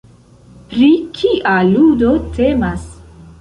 Pri kia ludo temas?